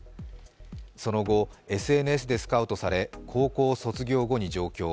その後、ＳＮＳでスカウトされ高校卒業後に上京。